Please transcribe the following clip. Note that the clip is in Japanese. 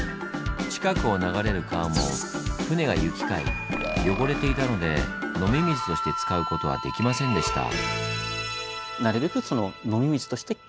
近くを流れる川も舟が行き交い汚れていたので飲み水として使うことはできませんでした。